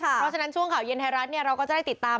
เพราะฉะนั้นช่วงข่าวเย็นไทยรัฐเราก็จะได้ติดตาม